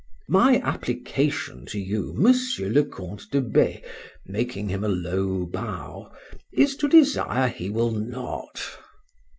—My application to you, Monsieur le Count de B— (making him a low bow), is to desire he will not.